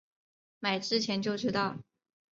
买之前就知道